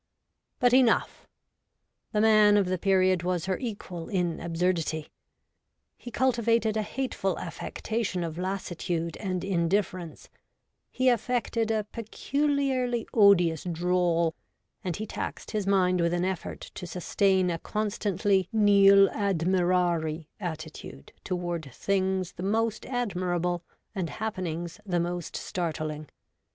But enough ! The Man of the Period was her equal in absurdity. He cultivated a hateful affectation of lassitude and in difference ; he affected a peculiarly odious drawl, and he taxed his mind with an effort to sustain a con stantly nil admirari attitude toward things the most admirable and happenings the most startling.